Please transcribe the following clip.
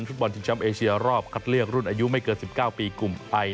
ฟุตบอลชิงช้ำเอเชียรอบคัดเลือกรุ่นอายุไม่เกิน๑๙ปีกลุ่มไทย